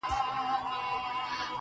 جنگ روان ـ د سولي په جنجال کي کړې بدل~